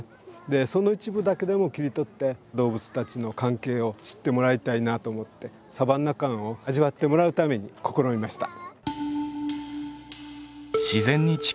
でその一部だけでも切り取って動物たちの関係を知ってもらいたいなと思ってサバンナ感を味わってもらうために試みました。